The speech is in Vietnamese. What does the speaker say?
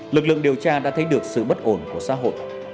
lực lượng điều tra đã thấy được sự bất ổn của xã hội